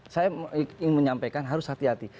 saya ingin menyampaikan harus hati hati